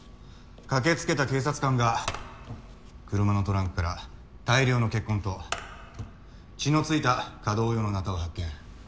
駆けつけた警察官が車のトランクから大量の血痕と血のついた華道用のナタを発見。